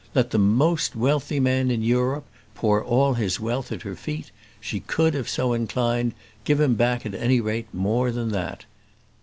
Let the most wealthy man in Europe pour all his wealth at her feet, she could, if so inclined, give him back at any rate more than that.